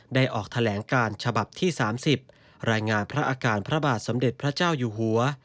ออกแถลงการฉบับที่๓๐รายงานพระอาการพระบาทสมเด็จพระเจ้าอยู่หัว